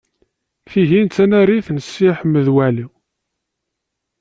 Tihin d tanarit n Si Ḥmed Waɛli.